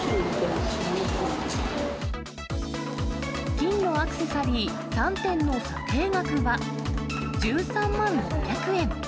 金のアクセサリー３点の査定額は１３万６００円。